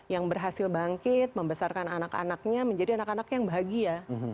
yang berhasil bangkit membesarkan anak anaknya menjadi anak anak yang bahagia